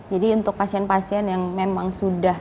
jadi untuk pasien pasien yang memang sudah